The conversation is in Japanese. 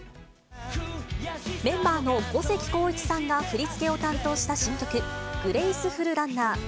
メンバーの五関晃一さんが振り付けを担当した新曲、グレイスフル・ランナー。